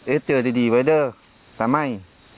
เจอดีไว้เด้อแต่ไม่